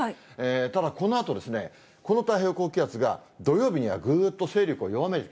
ただ、このあとこの太平洋高気圧が土曜日にはぐーっと勢力を弱める。